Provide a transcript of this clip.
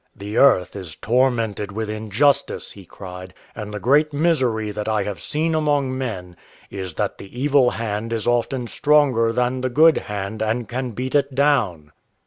"The Earth is tormented with injustice," he cried, "and the great misery that I have seen among men is that the evil hand is often stronger than the good hand and can beat it down.